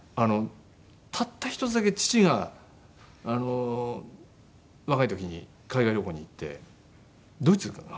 たった一つだけ父が若い時に海外旅行に行ってドイツかな？